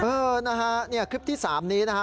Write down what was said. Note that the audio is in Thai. เออนะฮะเนี่ยคลิปที่๓นี้นะฮะ